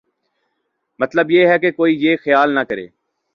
مطلب یہ ہے کہ کوئی یہ خیال نہ کرے